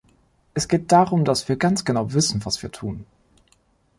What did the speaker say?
Es geht darum, dass wir ganz genau wissen, was wir tun.